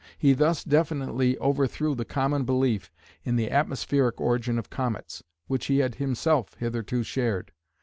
He thus definitely overthrew the common belief in the atmospheric origin of comets, which he had himself hitherto shared.